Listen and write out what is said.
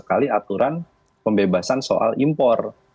sekali aturan pembebasan soal impor